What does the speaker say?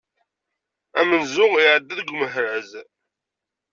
Amzun iεedda deg umehraz.